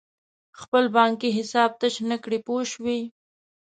خپل بانکي حساب تش نه کړې پوه شوې!.